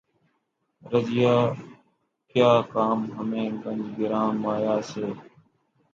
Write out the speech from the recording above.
رضیہؔ کیا کام ہمیں گنج گراں مایہ سے